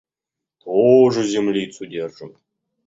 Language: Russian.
Тоже землицу держим.